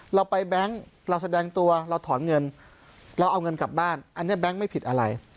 เราไปแบงค์เราแสดงตัวเราถอนเงินเราเอาเงินกลับบ้านอันนี้แก๊งไม่ผิดอะไร